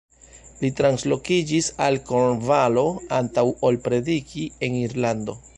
Li translokiĝis al Kornvalo antaŭ ol prediki en Irlando.